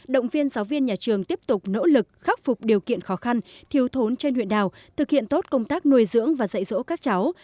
động viên giáo viên nhà trường tiếp tục nỗ lực khắc phục điều kiện khó khăn thiếu thốn trên huyện đào thực hiện tốt công tác nuôi dưỡng và dạy dỗ các cháu